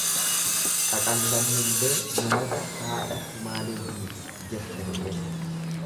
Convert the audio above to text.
Qaqallannullee numatu haadha tumaaleyyiiti jette re'een.